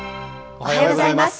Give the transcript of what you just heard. おはようございます。